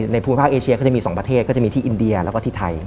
ภูมิภาคเอเชียก็จะมี๒ประเทศก็จะมีที่อินเดียแล้วก็ที่ไทย